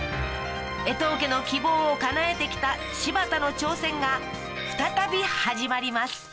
えとう家の希望をかなえてきた柴田の挑戦が再び始まります